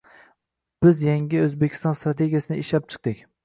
biz Yangi O‘zbekiston strategiyasini ishlab chiqdik